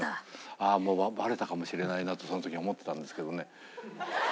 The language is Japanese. ああもうバレたかもしれないなとその時思ったんですけどね。